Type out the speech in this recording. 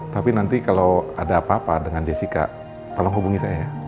tapi nanti kalau ada apa apa dengan jessica tolong hubungi saya ya